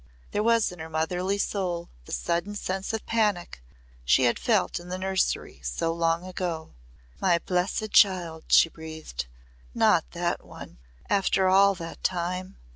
There was in her motherly soul the sudden sense of panic she had felt in the nursery so long ago. "My blessed child!" she breathed. "Not that one after all that time!"